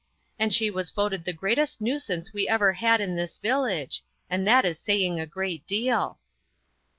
And she was voted the greatest nuisance we ever had in this village, and that is saying a great deal."